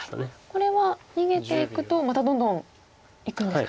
これは逃げていくとまたどんどんいくんですか。